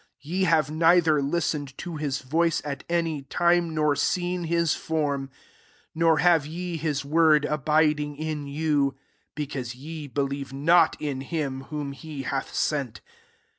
Ye have neither listened to his voice at any tim^ nor seen his form ; 38 nor have ye his word abiding in you ; be cause ye believe not in him whom he hath sent.